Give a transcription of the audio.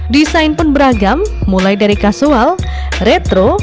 desain pun beragam mulai dari kasual retro